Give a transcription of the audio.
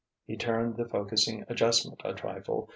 He turned the focusing adjustment a trifle.